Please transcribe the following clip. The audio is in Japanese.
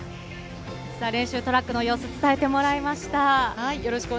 練習トラックの様子を伝えてもらいました。